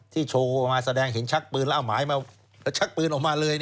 โชว์ออกมาแสดงเห็นชักปืนแล้วเอาหมายมาแล้วชักปืนออกมาเลย